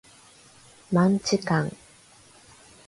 マンチカン